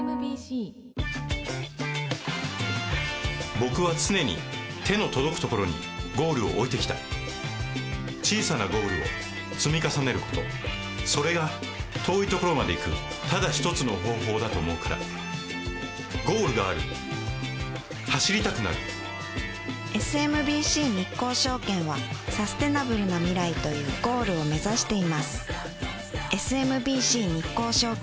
僕は常に手の届くところにゴールを置いてきた小さなゴールを積み重ねることそれが遠いところまで行くただ一つの方法だと思うからゴールがある走りたくなるＳＭＢＣ日興証券はサステナブルな未来というゴールを目指していますＳＭＢＣ日興証券